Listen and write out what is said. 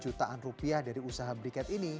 jutaan rupiah dari usaha briket ini